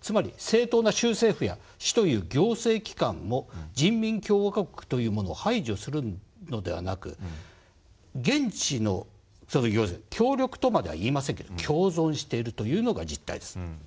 つまり正当な州政府や市という行政機関も人民共和国というものを排除するのではなく現地の協力とまでは言いませんけど共存しているというのが実態です。